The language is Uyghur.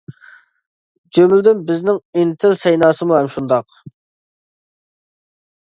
جۈملىدىن بىزنىڭ ئىنتىل سەيناسىمۇ ھەم شۇنداق.